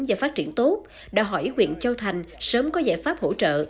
và phát triển tốt đòi hỏi huyện châu thành sớm có giải pháp hỗ trợ